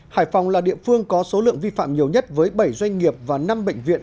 hải phòng là địa phương có số lượng vi phạm nhiều nhất với bảy doanh nghiệp và năm bệnh viện